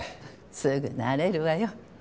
すぐ慣れるわよ。